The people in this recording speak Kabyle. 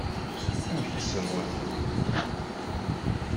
Amek i sserwaten?